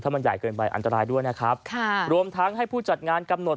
มันใหญ่เกินไปอันตรายด้วยนะครับค่ะรวมทั้งให้ผู้จัดงานกำหนด